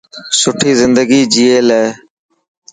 سٺي زندگي جئي لي.